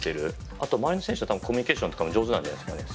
あと周りの選手とのコミュニケーションとかも上手なんじゃないですかね。